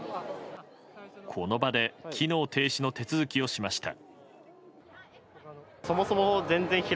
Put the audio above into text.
この場で機能停止の手続きをしました。